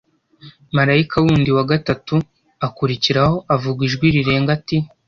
marayika wundi wa gatatu akurikiraho avuga ijwi rirenga ati